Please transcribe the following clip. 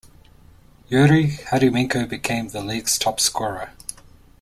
Yuriy Hudymenko became the league's top scorer.